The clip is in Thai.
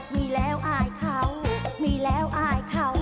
มีแล้วอายเขามีแล้วอายเขา